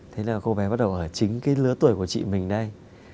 thế là cô bé bắt đầu ở chính cái lứa tuổi của chị mình đây